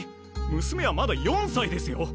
むすめはまだ４歳ですよ！？